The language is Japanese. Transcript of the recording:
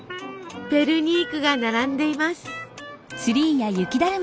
ペルニークが並んでいます。